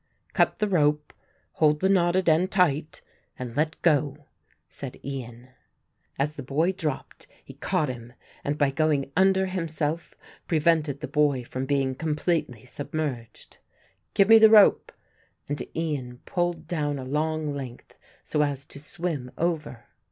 "Cut the rope, hold the knotted end tight and let go," said Ian. As the boy dropped, he caught him and by going under himself prevented the boy from being completely submerged. "Give me the rope," and Ian pulled down a long length so as to swim over.